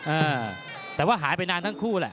อ่าแต่ว่าหายไปนานทั้งคู่แหละ